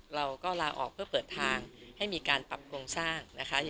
เราก็ลาออกเพื่อเปิดทางให้มีการปรับโครงสร้างนะคะ